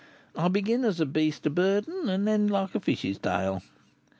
I begin as a beast of burden, and end like a fish's tail.